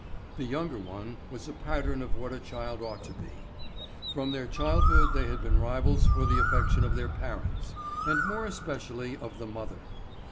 The younger one was a pattern of what a child ought to be. From their childhood they had been rivals for the affection of their parents, and more especially of the mother.